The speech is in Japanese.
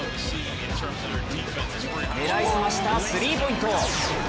狙い澄ましたスリーポイント。